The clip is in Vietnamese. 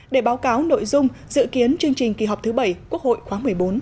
để báo cáo nội dung dự kiến chương trình kỳ họp thứ bảy quốc hội khóa một mươi bốn